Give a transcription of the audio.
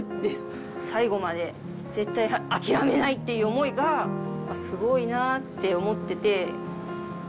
最後まで絶対諦めないっていう思いがすごいなって思ってて。